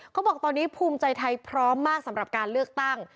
เขาบอกตอนนี้ภูมิใจไทยพร้อมมากสำหรับการเลือกตั้ง